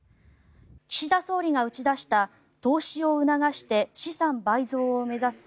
岸田総理が打ち出した投資を促して資産倍増を目指す